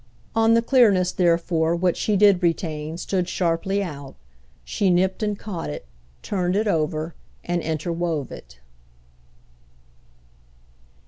On the clearness therefore what she did retain stood sharply out; she nipped and caught it, turned it over and interwove it.